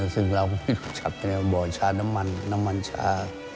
จึงเราก็ไม่รู้ชัดไงบอกชาน้ำมันน้ำมันชา